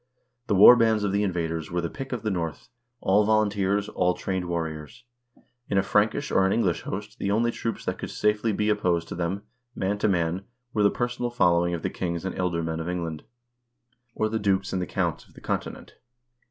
The war bands of the invaders were the pick of the North, all volunteers, all trained warriors. In a Frankish or an English host the only troops that could safely be opposed to them, man to man, were the personal following of the kings and ealdormen of England — or the dukes and counts of the Continent.